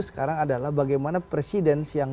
sekarang adalah bagaimana presiden yang